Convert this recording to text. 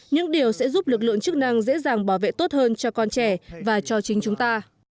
những điều sẽ giúp lực lượng chức năng dễ dàng bảo vệ tốt hơn cho con trẻ và cho chính chúng ta